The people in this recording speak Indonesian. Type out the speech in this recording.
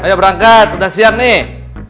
ayo berangkat udah siap nih